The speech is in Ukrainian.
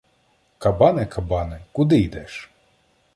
- Кабане, Кабане, куди йдеш?